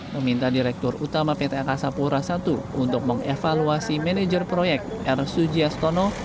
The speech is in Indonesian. meminta direktur utama pt angkasa pura i untuk mengevaluasi manajer proyek r sujiastono